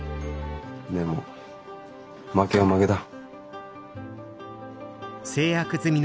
でも負けは負けだ。